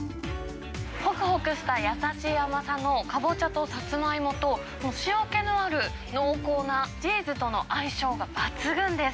ほくほくした優しい甘さのカボチャとサツマイモと塩気のある濃厚なチーズとの相性が抜群です。